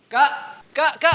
kak kak kak